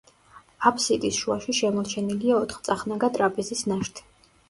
აფსიდის შუაში შემორჩენილია ოთხწახნაგა ტრაპეზის ნაშთი.